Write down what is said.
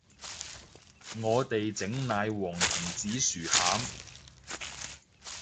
我哋整奶黃同紫薯餡